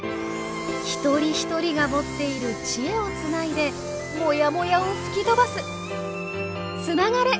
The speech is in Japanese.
一人一人が持っているチエをつないでもやもやを吹き飛ばすつながれ！